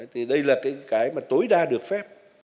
thì đây là cái mà tối đa được phép